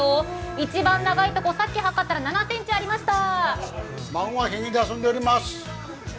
一番長いところ、さっきはかったら７ｃｍありました。